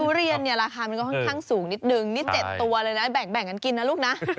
เรียนเนี่ยราคามันก็ค่อนข้างสูงนิดนึงนี่๗ตัวเลยนะแบ่งกันกินนะลูกนะ